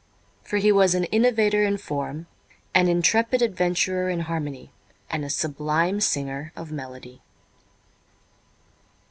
For he was an innovator in form, an intrepid adventurer in harmony and a sublime singer of melody.